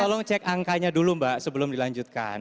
tolong cek angkanya dulu mbak sebelum dilanjutkan